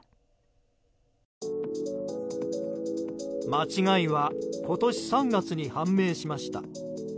間違いは今年３月に判明しました。